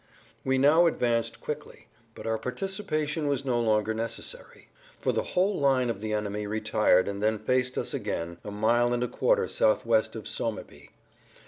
We now advanced quickly, but our participation was no longer necessary, for the whole line of the enemy retired and then faced us again, a mile and a quarter southwest of Sommepy.